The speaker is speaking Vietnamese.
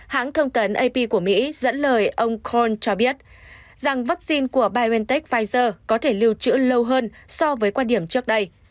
hãng thông tấn ap của mỹ dẫn lời ông corld cho biết rằng vaccine của biontech pfizer có thể lưu trữ lâu hơn so với quan điểm trước đây